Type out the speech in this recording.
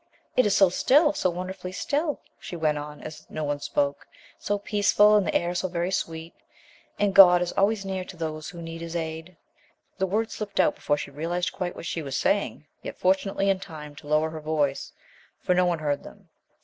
"It is so still so wonderfully still," she went on, as no one spoke; "so peaceful, and the air so very sweet ... and God is always near to those who need His aid." The words slipped out before she realized quite what she was saying, yet fortunately, in time to lower her voice, for no one heard them.